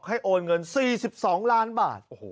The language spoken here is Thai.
โอนเงิน๔๒ล้านบาท